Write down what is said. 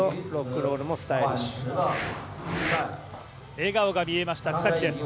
笑顔が見えました草木です。